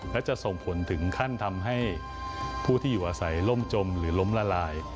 และจะส่งผลถึงขั้นทำให้ผู้ที่อยู่อาศัยล่มจมหรือล้มละลาย